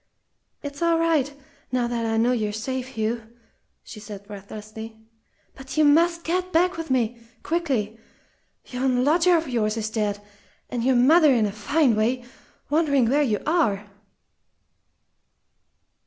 "It's all right now that I know you're safe, Hugh," she said breathlessly. "But you must get back with me quickly. Yon lodger of yours is dead, and your mother in a fine way, wondering where you are!"